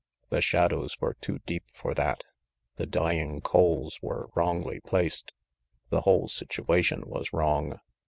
The shadows were too deep for that; the dying coals were wrongly placed. The whole situa tion was wrong.